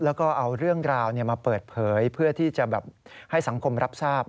แล้วก็เอาเรื่องราวมาเปิดเผยเพื่อที่จะแบบให้สังคมรับทราบ